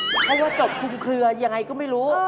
ให้กระบุคุมเคลือยังไงก็ไม่รู้